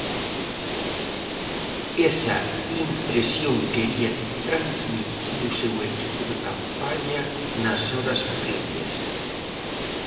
Esa impresión quería transmitir o seu equipo de campaña nas horas previas.